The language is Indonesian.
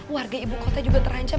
warga ibu kota juga terancam